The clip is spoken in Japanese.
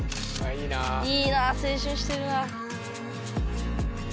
いいな青春してるな。